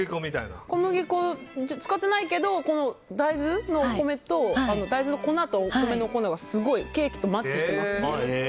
小麦粉使ってないけど大豆の粉とお米の粉がすごいケーキとマッチしてます。